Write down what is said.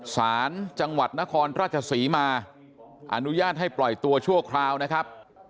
สารจังหวัดนครราชศรีมาอนุญาตให้ปล่อยตัวชั่วคราวนะครับ